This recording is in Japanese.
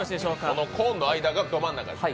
このコーンの間がど真ん中。